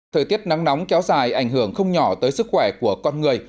thời tiết nắng nóng kéo dài ảnh hưởng không nhỏ tới sức khỏe của con người